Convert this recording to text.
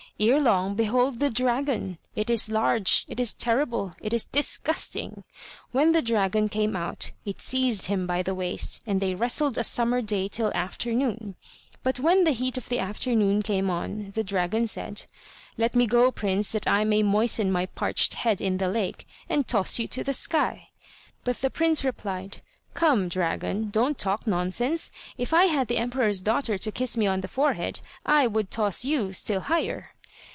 Erelong behold the dragon! it is large, it is terrible, it is disgusting! When the dragon came out, it seized him by the waist, and they wrestled a summer day till afternoon. But when the heat of afternoon came on, the dragon said: "Let me go, prince, that I may moisten my parched head in the lake, and toss you to the sky." But the prince replied: "Come, dragon, don't talk nonsense; if I had the emperor's daughter to kiss me on the forehead, I would toss you still higher."